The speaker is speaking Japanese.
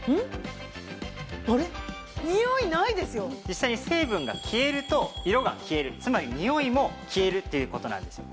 実際に成分が消えると色が消えるつまり臭いも消えるっていう事なんですよ。